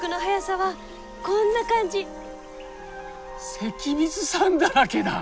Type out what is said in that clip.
関水さんだらけだ！